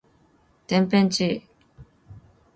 てんぺんちい